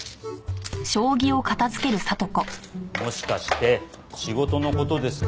もしかして仕事の事ですか？